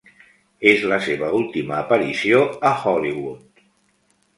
És la seva última aparició a Hollywood.